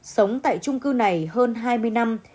sống tại trung cư này hơn hai mươi năm